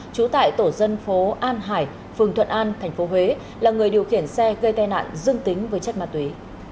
trú tại tổ dân phố an hải phường thuận an tp huế là người điều khiển xe gây tai nạn dương tính với chất ma túy